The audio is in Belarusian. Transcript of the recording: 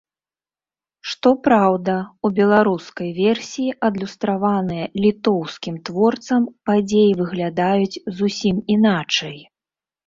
Што праўда, у беларускай версіі адлюстраваныя літоўскім творцам падзеі выглядаюць зусім іначай.